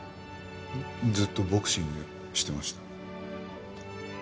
ずっとボクシングしてました。